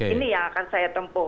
ini yang akan saya tempuh